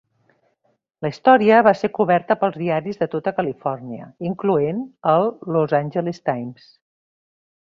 La història va ser coberta pels diaris de tota Califòrnia, incloent el "Los Angeles Times".